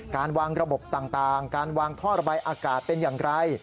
การวางระบบต่างการวางท่อระบายอากาศเป็นอย่างไร